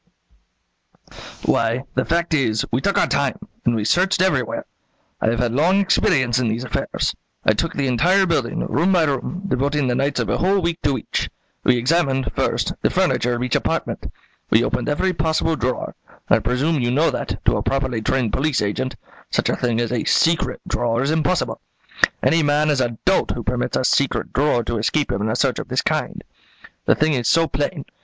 "Why, the fact is, we took our time, and we searched everywhere. I have had long experience in these affairs. I took the entire building, room by room; devoting the nights of a whole week to each. We examined, first, the furniture of each apartment. We opened every possible drawer; and I presume you know that, to a properly trained police agent, such a thing as a 'secret' drawer is impossible. Any man is a dolt who permits a 'secret' drawer to escape him in a search of this kind. The thing is so plain.